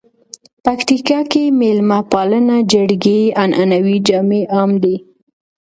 پکتیکا کې مېلمه پالنه، جرګې، عنعنوي جامي عام دي.